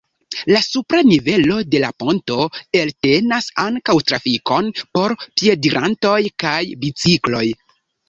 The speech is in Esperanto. La supra nivelo de la ponto eltenas ankaŭ trafikon por piedirantoj kaj bicikloj.